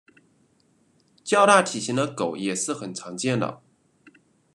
较大体型的狗也是很常见的。